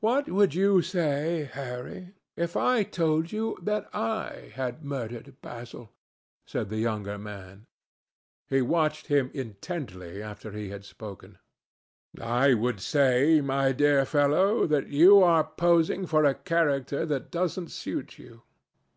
"What would you say, Harry, if I told you that I had murdered Basil?" said the younger man. He watched him intently after he had spoken. "I would say, my dear fellow, that you were posing for a character that doesn't suit you.